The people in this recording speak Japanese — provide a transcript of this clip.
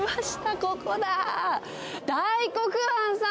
ここだー。